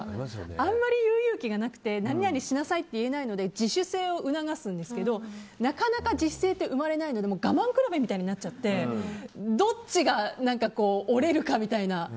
あんまり言う勇気がなくて何しなさいって言えないので自主性を促すんですけどなかなか自主性って生まれないので我慢比べみたいになっちゃってどっちが折れるかみたいな。